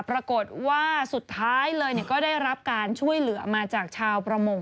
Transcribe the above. ปรากฏว่าสุดท้ายเลยก็ได้รับการช่วยเหลือมาจากชาวประมง